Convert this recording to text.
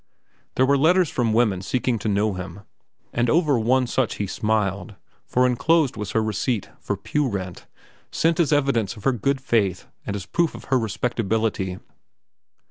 There were letters from women seeking to know him, and over one such he smiled, for enclosed was her receipt for pew rent, sent as evidence of her good faith and as proof of her respectability.